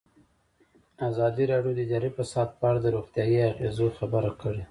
ازادي راډیو د اداري فساد په اړه د روغتیایي اغېزو خبره کړې.